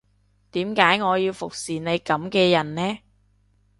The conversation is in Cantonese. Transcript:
點解我要服侍你噉嘅人呢